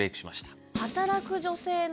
働く女性の。